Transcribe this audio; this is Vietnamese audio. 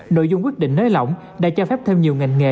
nội dung quyết định nới lỏng đã cho phép thêm nhiều ngành nghề